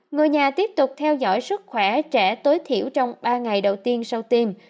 người nhà tiếp tục theo dõi sức khỏe trẻ tối thiểu trong ba ngày đầu tiên sau tiêm